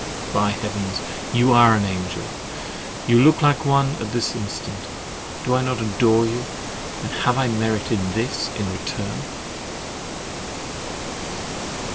By Heaven, you are an angel! You look like one at this instant! Do I not adore you—and have I merited this return?